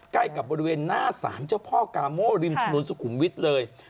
ใกล้กับบริเวณหน้าสารเจ้าพ่อกาโม่ริมถนนสุขุมวิทย์เลย